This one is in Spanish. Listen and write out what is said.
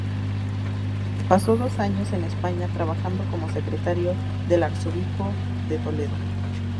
Pasó dos años en España, trabajando como secretario del Arzobispo de Toledo.